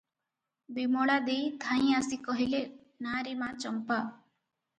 ବିମଳା ଦେଈ ଧାଇଁ ଆସି କହିଲେ, "ନା ରେ ମା ଚମ୍ପା!